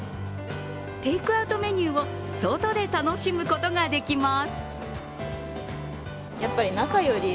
テイクアウトメニューを外で楽しむことができます。